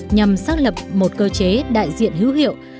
nhằm xác lập một cơ chế đại diện hữu hiệu